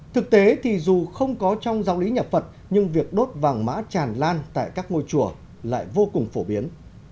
thực tế thì dù không có trong giáo lý nhà phật nhưng việc đốt vàng mã tràn lan tại các ngôi chùa lại vô cùng phổ biến